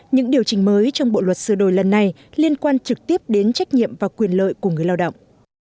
những điều chỉnh mới trong bộ luật sửa đổi lần này liên quan trực tiếp đến trách nhiệm và quyền lợi của người lao động